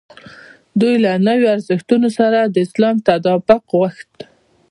دوی له نویو ارزښتونو سره د اسلام تطابق غوښت.